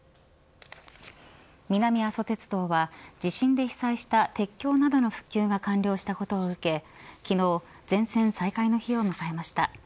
南阿蘇鉄道は地震で被災した鉄橋などの復旧が完了したことを受け昨日、全線再開の日を迎えました。